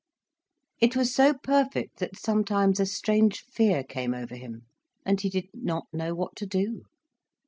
It was so perfect that sometimes a strange fear came over him, and he did not know what to do.